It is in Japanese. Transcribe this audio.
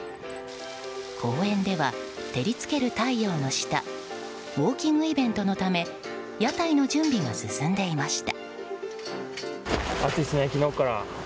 公園では、照りつける太陽の下ウォーキングイベントのため屋台の準備が進んでいました。